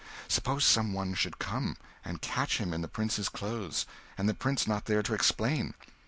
Suppose some one should come, and catch him in the prince's clothes, and the prince not there to explain.